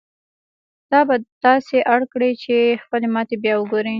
دا به تاسې اړ کړي چې خپلې ماتې بيا وګورئ.